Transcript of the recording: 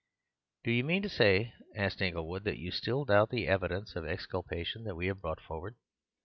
"Do you mean to say," asked Inglewood, "that you still doubt the evidence of exculpation we have brought forward?"